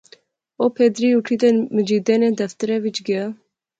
او پھیدری اُٹھی تے مجیدے نے دفترے وچ گیا